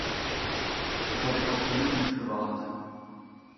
Dat had ik absoluut niet verwacht.